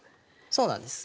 そうなんです。